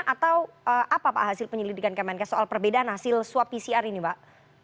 atau apa pak hasil penyelidikan kemenkes soal perbedaan hasil swab pcr ini pak